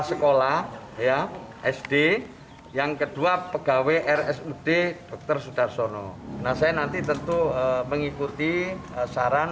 sekolah ya sd yang kedua pegawai rsud dokter sudarsono nah saya nanti tentu mengikuti saran